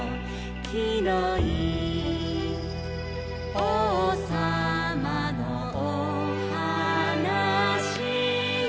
「きのいいおうさまのおはなしよ」